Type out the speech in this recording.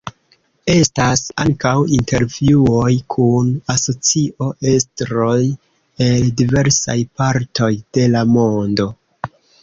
Estas ankaŭ intervjuoj kun asocio-estroj el diversaj partoj de la mondo.